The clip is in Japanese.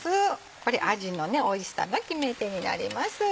これ味のおいしさの決め手になります。